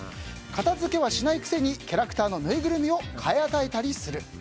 片付けはしないくせにキャラクターのぬいぐるみを買い与えたりする。